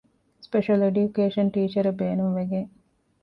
ސްޕެޝަލް އެޑިޔުކޭޝަން ޓީޗަރެއް ބޭނުންވެގެން